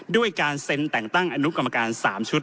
ด้วยการเซ็นแต่งตั้งอนุกรรมการ๓ชุด